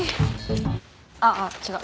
ああ違う。